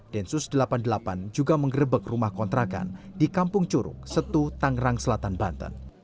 densus delapan puluh delapan juga mengerebek rumah kontrakan di kampung curug setu tangerang selatan banten